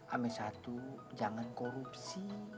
ame satu jangan korupsi